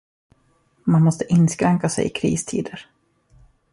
Man måste inskränka sig i kristider!